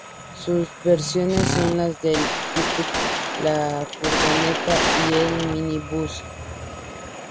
Sus versiones son las del "pickup", la furgoneta y el minibús.